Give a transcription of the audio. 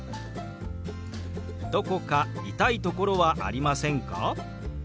「どこか痛いところはありませんか？」。